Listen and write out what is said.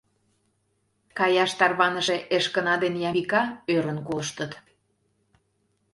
Каяш тарваныше Эшкына ден Ямбика ӧрын колыштыт.